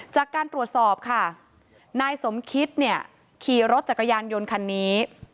จากการตรวจสอบนายสมคิดขี่รถจักรยานยนต์คันนี้